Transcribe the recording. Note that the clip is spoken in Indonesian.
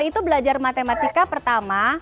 jadi nona belajar matematika pertama